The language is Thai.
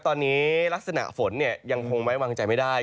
ตอนนี้ลักษณะฝนยังคงไว้วางใจไม่ได้